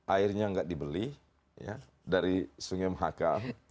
airnya nggak dibeli dari sungai mahakam